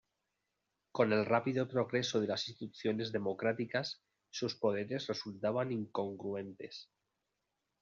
Con el rápido progreso de las instituciones democráticas, sus poderes resultaban incongruentes.